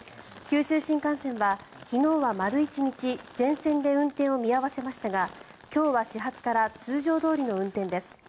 九州新幹線は昨日は丸１日全線で運転を見合わせましたが今日は始発から通常どおりの運転です。